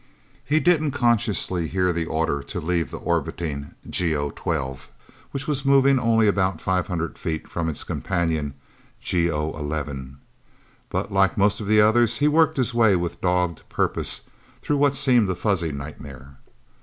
He didn't consciously hear the order to leave the orbiting GO 12, which was moving only about five hundred feet from it's companion, GO 11. But, like most of the others, he worked his way with dogged purpose through what seemed a fuzzy nightmare.